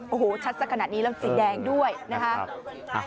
โอ้โหชัดสักขนาดนี้เริ่มสีแดงด้วยนะครับ